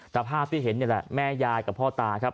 แต่ภาพที่เห็นนี่แหละแม่ยายกับพ่อตาครับ